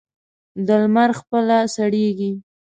د لمر خپله سړېږي.